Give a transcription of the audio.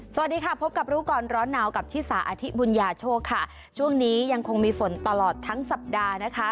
สวัสดีค่ะพบกับรู้ก่อนร้อนหนาวกับชิสาอธิบุญญาโชคค่ะช่วงนี้ยังคงมีฝนตลอดทั้งสัปดาห์นะคะ